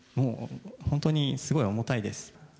本当にすごい重たいです。